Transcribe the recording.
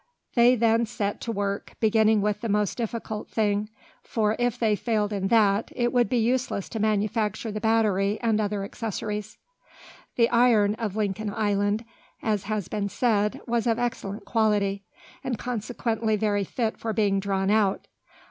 They then set to work, beginning with the most difficult thing, for, if they failed in that, it would be useless to manufacture the battery and other accessories. The iron of Lincoln Island, as has been said, was of excellent quality, and consequently very fit for being drawn out.